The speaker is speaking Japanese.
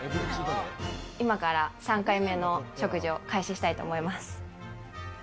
今から３回目の食事を開始したいと思います。